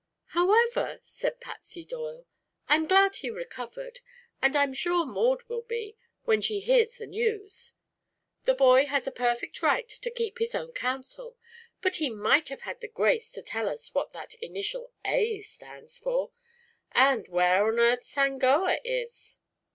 "However," said Patsy Doyle, "I'm glad he recovered, and I'm sure Maud will be when she hears the news. The boy has a perfect right to keep his own counsel, but he might have had the grace to tell us what that initial 'A.' stands for, and where on earth Sangoa is."